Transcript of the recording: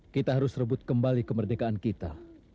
kita harus rebut kembali kemerdekaan kita